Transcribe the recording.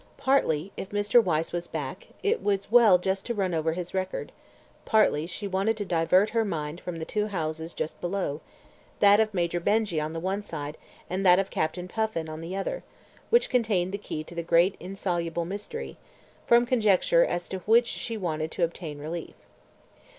Partly, if Mr. Wyse was back, it was well just to run over his record; partly she wanted to divert her mind from the two houses just below, that of Major Benjy on the one side and that of Captain Puffin on the other, which contained the key to the great, insoluble mystery, from conjecture as to which she wanted to obtain relief.